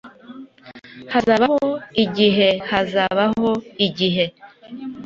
Hazabaho igihehazabaho igihe